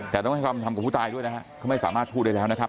แต่ต้องให้ความทำกับผู้ตายด้วยนะฮะเขาไม่สามารถพูดได้แล้วนะครับ